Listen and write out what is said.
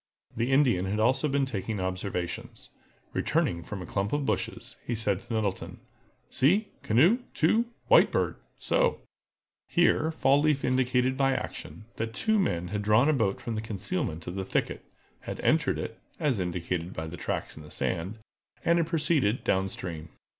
The Indian had also been taking observations. Returning from a clump of bushes, he said to Nettleton: "See—canoe—two—White Bird—so!" Here Fall leaf indicated by action, that two men had drawn a boat from concealment in the thicket, had entered it, as indicated by tracks in the sand, and had proceeded down stream.